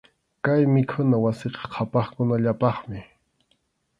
Kay mikhuna wasiqa qhapaqkunallapaqmi.